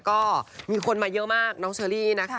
ก็มีคนมาเยอะมากน้องเชอรี่นะคะ